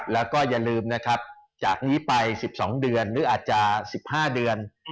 แล้วก็อย่าลืมนะครับจากนี้ไป๑๒เดือนหรืออาจจะ๑๕เดือน